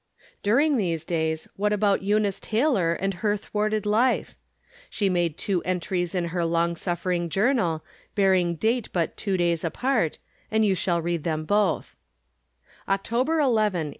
During these days, what about Eunice Taylor and her thwarted life ? She made two entries in her long suffering journal, bearing date but two days apart, and you shall read them both: October 11, 18 —.